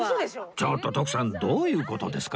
ちょっと徳さんどういう事ですか？